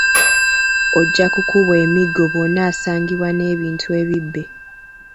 Ojja kukubwa emiggo bw’onaasangibwa n’ebintu ebibbe.